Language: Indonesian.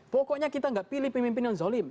pokoknya kita nggak pilih pemimpin yang zolim